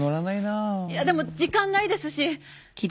いやでも時間ないですし。